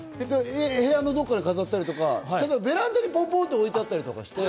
部屋のどこかに飾ったりとか、ただベランダにポンポンと置いたりして。